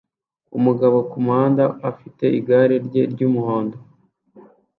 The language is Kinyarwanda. Umugabo kumuhanda afite igare rye ry'umuhondo